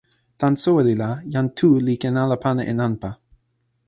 tan soweli la, jan Tu li ken ala pana e nanpa.